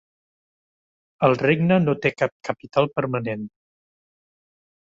El regne no té cap capital permanent.